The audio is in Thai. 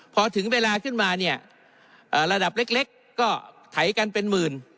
พอถึงเวลาขึ้นมาเนี่ยระดับเล็กก็ไถกันเป็นหมื่น